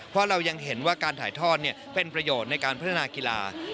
เพราะเรายังเห็นว่าการถ่ายทอดเป็นประโยชน์ในการพัฒนากีฬา